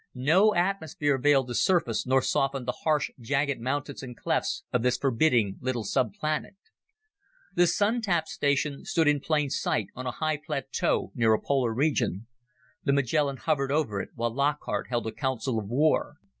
No atmosphere veiled the surface nor softened the harsh, jagged mountains and clefts of this forbidding little subplanet. The Sun tap station stood in plain sight on a high plateau near a polar region. The Magellan hovered over it while Lockhart held a council of war.